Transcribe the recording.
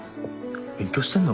勉強してんの？